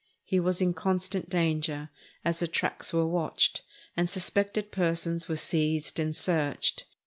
He was in constant danger, as the tracks were watched, and suspected persons were seized and searched.